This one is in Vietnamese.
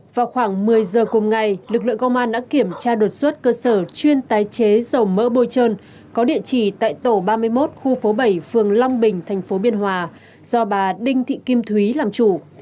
vào khoảng một mươi giờ cùng ngày lực lượng công an đã kiểm tra đột xuất cơ sở chuyên tái chế dầu mỡ bôi trơn có địa chỉ tại tổ ba mươi một khu phố bảy phường long bình tp biên hòa do bà đinh thị kim thúy làm chủ